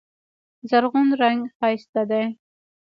زرغون رنګ ښایسته دی.